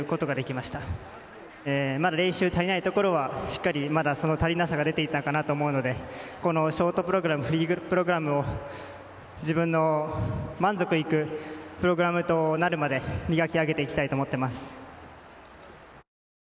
まだ練習が足りないところは足りなさが出ていたかと思うのでショートプログラムフリープログラムを自分の満足のいくプログラムとなるまで磨き上げていきたいと思っています。